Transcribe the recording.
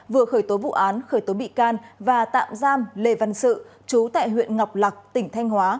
vừa khởi tố vụ án khởi tố bị can và tạm giam lê văn sự chú tại huyện ngọc lạc tỉnh thanh hóa